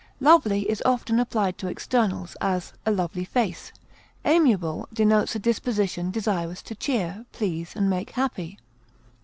Lovely is often applied to externals; as, a lovely face. Amiable denotes a disposition desirous to cheer, please, and make happy.